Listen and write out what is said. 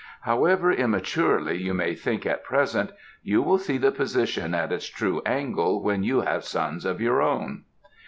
However immaturely you may think at present, you will see the position at its true angle when you have sons of your own."